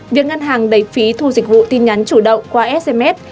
việc ngân hàng đẩy phí thu dịch vụ tin nhắn chủ động qua sms